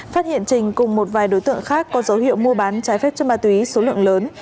phát hiện trình cùng một vài đối tượng khác có dấu hiệu mua bán trái phép chất ma túy số lượng lớn